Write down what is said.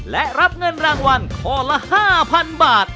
และรับเงินรางวัลข้อละ๕๐๐๐บาท